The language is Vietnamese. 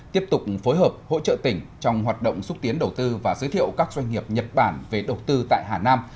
tiếp tục phối hợp hỗ trợ tỉnh trong hoạt động xúc tiến đầu tư và giới thiệu các doanh nghiệp nhật bản về đầu tư tại hà nam